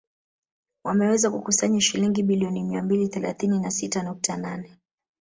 Wameweza kukusanya shilingi bilioni mia mbili thelathini na sita nukta nane